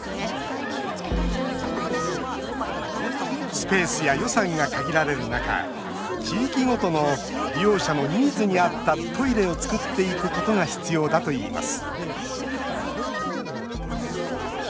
スペースや予算が限られる中地域ごとの利用者のニーズに合ったトイレをつくっていくことが必要だといいます